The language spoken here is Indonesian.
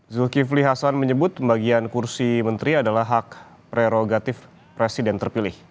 zulkifli hasan menyebut pembagian kursi menteri adalah hak prerogatif presiden terpilih